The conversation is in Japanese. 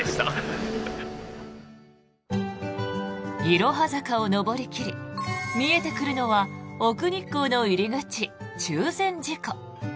いろは坂を登り切り見えてくるのは奥日光の入り口、中禅寺湖。